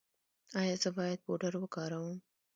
ایا زه باید پوډر وکاروم؟